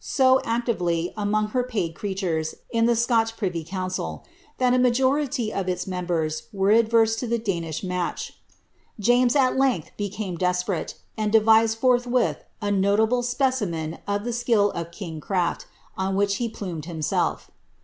^7* ANNE OF DKS actively among her paid creatures in ihe Scotch privy couDcil, itiU I niajoniy of ils menibere were adverse to ihe Danish match. Jamei,!! length, became desperate, and devised fonhwiiL a notuble specimui uf the skill ' in^ craJ't, on which lie plumed himeclf.